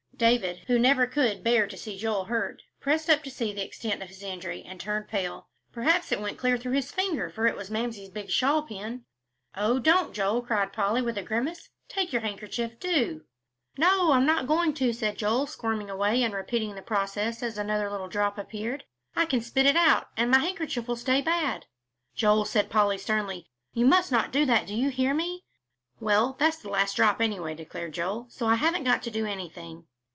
David, who never could bear to see Joel hurt, pressed up to see the extent of his injury, and turned pale. Perhaps it went clear through his finger, for it was Mamsie's big shawl pin! "Oh, don't, Joel," cried Polly, with a grimace; "take your handkerchief, do!" "No, I'm not going to," said Joel, squirming away, and repeating the process as another little drop appeared; "I can spit it out, and my handkerchief'll stay bad." "Joel," said Polly, sternly, "you must not do that. Do you hear me?" "Well, that's the last drop, anyway," declared Joel, "so I haven't got to do anything."